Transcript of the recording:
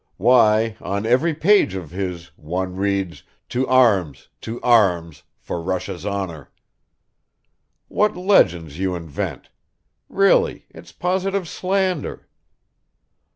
"Why, on every page of his one reads, to arms! to arms! for Russia's honor!" "What legends you invent! Really, it's positive slander."